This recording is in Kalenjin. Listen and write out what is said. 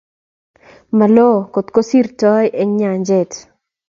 malo kotokosirtoi eng' nyanjet.